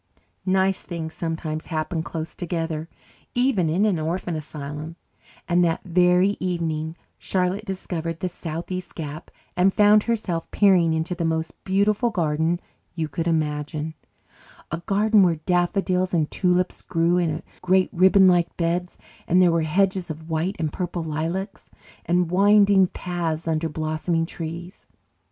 Nice things sometimes happen close together, even in an orphan asylum, and that very evening Charlotte discovered the southeast gap and found herself peering into the most beautiful garden you could imagine, a garden where daffodils and tulips grew in great ribbon like beds, and there were hedges of white and purple lilacs, and winding paths under blossoming trees.